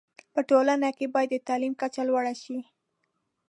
په ټولنه کي باید د تعلیم کچه لوړه شی